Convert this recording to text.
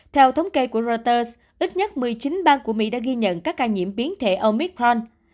theo thống kê của reuters ít nhất một mươi chín bang của mỹ đã ghi nhận các ca nhiễm biến thể omicron